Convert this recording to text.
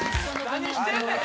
「何してんねん！」